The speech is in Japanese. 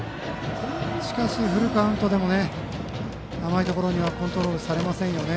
しかしフルカウントでも甘いところにはコントロールされませんね。